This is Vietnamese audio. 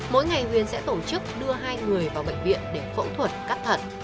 mỗi ngày huyền sẽ tổ chức đưa hai người vào bệnh viện để phẫu thuật cắt thận